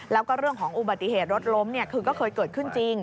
แล้วก็เรื่องของอุบัติเหตุรถล้มคือก็เคยเกิดขึ้นจริง